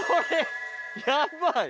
やばい！